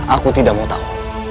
aku tidak mau tahu